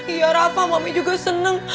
iya rafa mami juga seneng